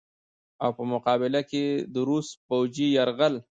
او په مقابله کښې ئې د روس فوجي يرغل